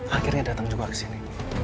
akhirnya datang juga kesini